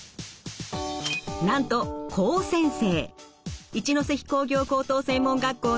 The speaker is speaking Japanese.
なんと高専生。